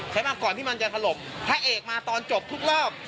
มาก่อนที่มันจะถลบพระเอกมาตอนจบทุกรอบ